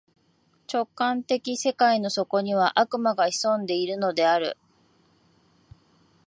直観的世界の底には、悪魔が潜んでいるのである。